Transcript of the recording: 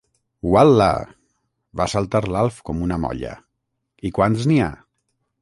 Ual·la! —va saltar l'Alf com una molla— I quants n'hi ha?